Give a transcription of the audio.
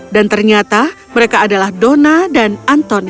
dan ternyata mereka adalah dona dan antony